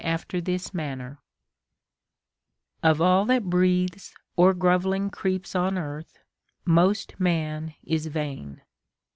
after this manner Of all that breathes or grovelling creeps on earth, Most man is vain